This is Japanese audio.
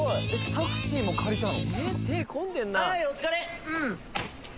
タクシーも借りたの？